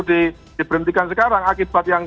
diberhentikan sekarang akibat